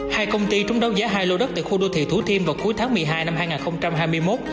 hai công ty trúng đấu giá hai lô đất tại khu đô thị thủ thiêm vào cuối tháng một mươi hai năm hai nghìn hai mươi một